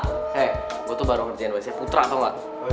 hei gue tuh baru kerjain wc putra tau gak